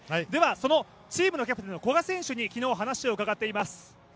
そのチームのキャプテンの古賀選手にお話を伺っています。